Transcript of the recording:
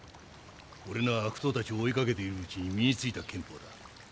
俺のは悪党たちを追いかけてるうちに身についた剣法だ。